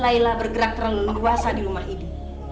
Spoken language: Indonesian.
layla bergerak terlalu luasa di rumah ini